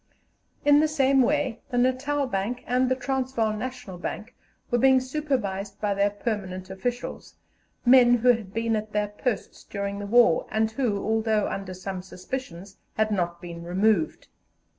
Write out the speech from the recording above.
In the same way the Natal Bank and the Transvaal National Bank were being supervised by their permanent officials, men who had been at their posts during the war, and who, although under some suspicions, had not been removed.